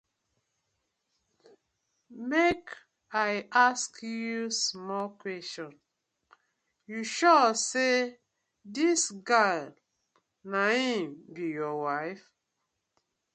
Mek I ask yu small question, yu sure say dis gal na im be yur wife?